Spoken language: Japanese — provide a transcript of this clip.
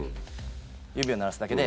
指を鳴らすだけで。